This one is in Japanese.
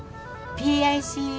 ＰＩＣＵ。